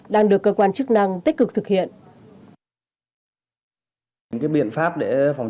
đang được cơ quan chức năng tích cực thực hiện